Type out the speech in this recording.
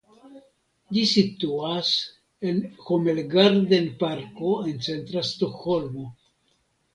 Ĝi situas en Homelgarden Parko en centra Stokholmo.